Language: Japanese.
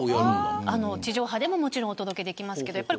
地上波でももちろんお届けできます。